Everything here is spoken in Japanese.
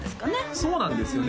そうなんですよね